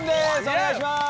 お願いします。